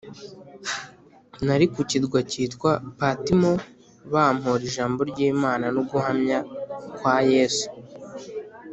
nari ku kirwa cyitwa Patimo bampōra ijambo ry’Imana no guhamya kwa Yesu